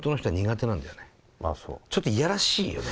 ちょっと嫌らしいよね。